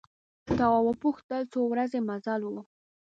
تواب وپوښتل څو ورځې مزل و.